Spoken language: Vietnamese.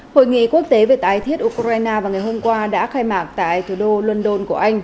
hội nghị quốc tế về tái thiết ukraine vào ngày hôm qua đã khai mạc tại thủ đô london của anh